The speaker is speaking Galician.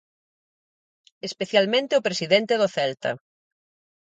Especialmente o presidente do Celta.